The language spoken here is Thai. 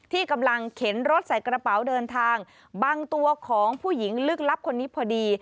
ที่กำลังเข็นรถใส่กระเป๋าเดินทางบางตัวของผู้หญิงลึกลับคนนี้พอดี